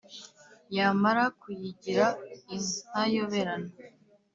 Yamara kuyigira intayoberana